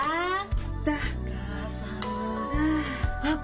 ああ。